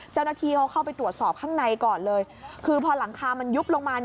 เจ้าหน้าที่เขาเข้าไปตรวจสอบข้างในก่อนเลยคือพอหลังคามันยุบลงมา